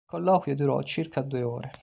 Il colloquio durò circa due ore.